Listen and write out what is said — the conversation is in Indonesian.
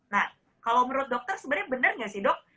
nah kalau menurut dokter sebenarnya benar nggak sih dok